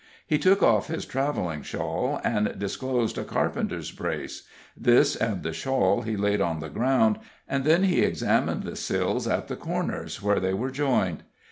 He took off his traveling shawl, and disclosed a carpenter's brace; this and the shawl he laid on the ground, and then he examined the sills at the corners, where they were joined.